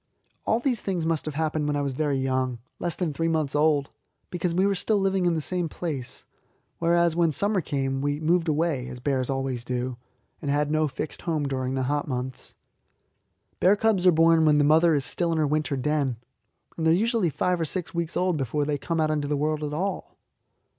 All these things must have happened when I was very young less than three months old because we were still living in the same place, whereas when summer came we moved away, as bears always do, and had no fixed home during the hot months. Bear cubs are born when the mother is still in her winter den, and they are usually five or six weeks old before they come out into the world at all.